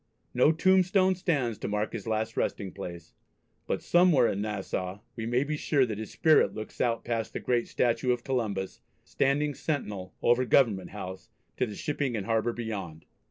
No tombstone stands to mark his last resting place, but somewhere in Nassau we may be sure that his spirit looks out past the great statue of Columbus standing sentinel over Government House, to the shipping and harbour beyond.